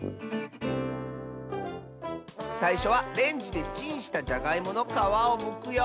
さいしょはレンジでチンしたじゃがいものかわをむくよ。